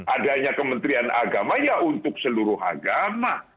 adanya kementerian agama ya untuk seluruh agama